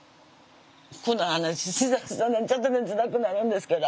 この話しだすとねちょっとねつらくなるんですけど。